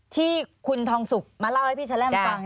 ที่คุณทองศุกร์มาเล่าให้พี่ชะแรมฟังเนี่ย